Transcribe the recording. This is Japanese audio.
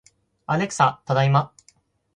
アレクサ、ただいま